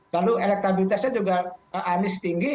lalu elektabilitasnya juga anies tinggi